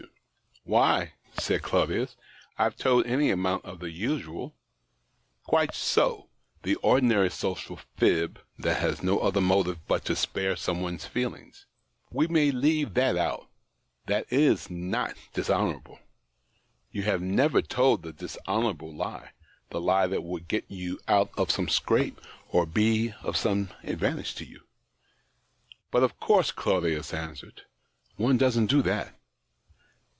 54 THE OCTAVE OF CLAUDIUS, " Why," said Claudius, " I've told any amount of the usual "" Quite so— the ordinary social fib, that has no other motive but to spare somebody's feelings. We may leave that out ; that is BOfc dishonourable. You have never told the dis honourable lie — the lie that would get you out of some scrape or be of some advantage to you." " But, of course," Claudius answered, " one doesn't do that."